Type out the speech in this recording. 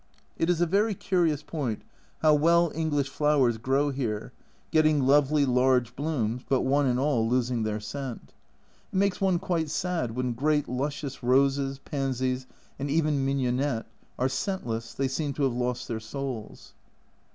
It is a very curious point, how well English flowers grow here, getting lovely large blooms, but one and all losing their scent. It makes one quite sad when great luscious roses, pansies, and even mignonette, are scentless they seem to have lost their souls.